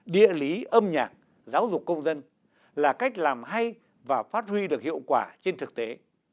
địa lý âm nhạc giáo dục công dân là cách làm hay và phát huy được hiệu quả trên thực tế